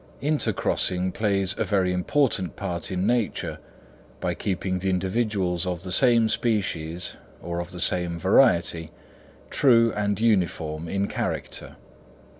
Intercrossing plays a very important part in nature by keeping the individuals of the same species, or of the same variety, true and uniform in character.